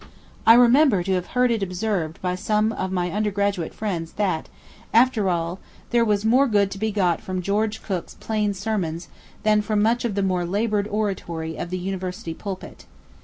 I remember to have heard it observed by some of my undergraduate friends that, after all, there was more good to be got from George Cooke's plain sermons than from much of the more laboured oratory of the University pulpit.